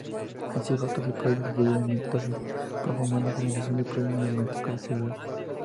El cigoto diploide se divide por mitosis para formar la generación diploide multicelular.